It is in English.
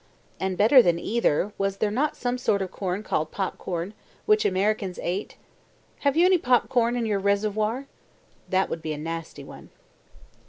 And, better than either, was there not some sort of corn called pop corn, which Americans ate? ... "Have you any popcorn in your reservoir?" That would be a nasty one.